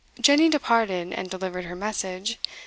Jenny departed and delivered her message.